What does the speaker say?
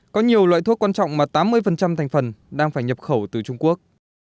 có nhiều loại thuốc quan trọng mà tám mươi thành phần đang phải nhập khẩu từ nước